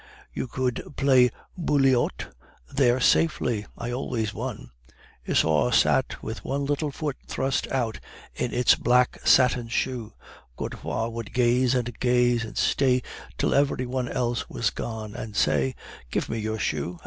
You could play bouillotte there safely. (I always won.) Isaure sat with one little foot thrust out in its black satin shoe; Godefroid would gaze and gaze, and stay till every one else was gone, and say, 'Give me your shoe!